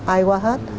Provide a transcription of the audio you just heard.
ai qua hết